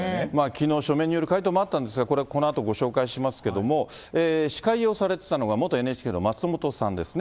きのう書面による回答もあったんですが、これ、このあとご紹介しますけども、司会をされてたのが、元ＮＨＫの松本さんですね。